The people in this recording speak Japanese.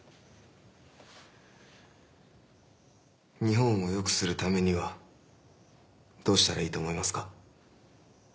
日本を良くするためにはどうしたらいいと思いますか？